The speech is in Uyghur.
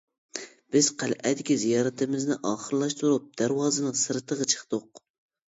بىز قەلئەدىكى زىيارىتىمىزنى ئاخىرلاشتۇرۇپ دەرۋازىنىڭ سىرتىغا چىقتۇق.